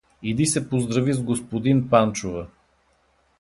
— Иди се поздрави с господин Панчова!